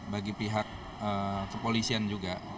bagi pihak kepolisian juga